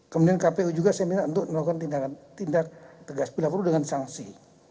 kemudian kpu juga saya minta untuk melakukan tindak tegas bila perlu dengan sanksi